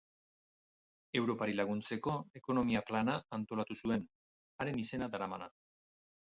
Europari laguntzeko ekonomia-plana antolatu zuen, haren izena daramana.